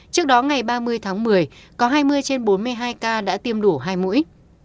trước đó ngày ba mươi tháng một mươi có hai mươi trên bốn mươi hai ca đã tiêm đủ hai mũi